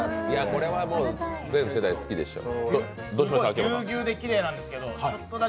これは全世代好きでしょう。